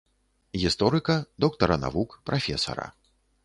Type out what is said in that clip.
Гісторыка, доктара навук, прафесара.